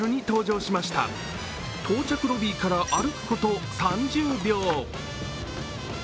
到着ロビーから歩くこと３０秒。